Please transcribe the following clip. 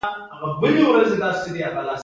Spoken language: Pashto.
د کندز په قلعه ذال کې د څه شي نښې دي؟